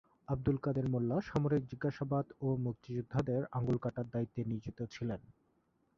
আবদুল কাদের মোল্লা সামরিক জিজ্ঞাসাবাদ ও মুক্তিযোদ্ধাদের আঙুল কাটার দায়িত্বে নিয়োজিত ছিলেন।